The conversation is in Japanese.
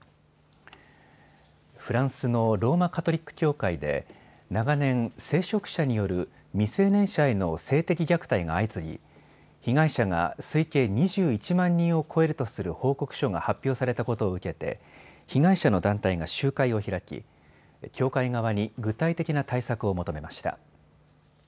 フランスのローマ・カトリック教会で長年、聖職者による未成年者への性的虐待が相次ぎ被害者が推計２１万人を超えるとする報告書が発表されたことを受けて被害者の団体が集会を開き教会側に具体的な対策を求めました。